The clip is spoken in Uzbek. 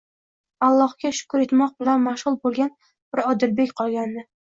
Allohga shukr etmoq bilan mashg'ul bo'lgan bir Odilbek qolgandi.